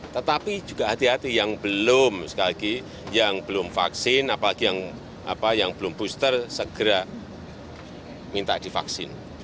tetapi juga hati hati yang belum sekali lagi yang belum vaksin apalagi yang belum booster segera minta divaksin